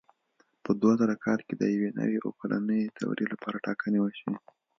په دوه زره کال کې د یوې نوې اووه کلنې دورې لپاره ټاکنې وشوې.